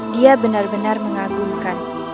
dia benar benar mengagumkan